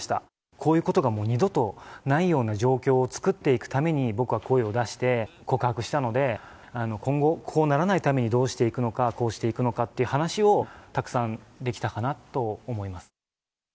こういうことがもう二度とないような状況を作っていくために、僕は声を出して、告白したので、今後、こうならないためにどうしていくのか、こうしていくのかっていう話をたくさんできたかなと思います。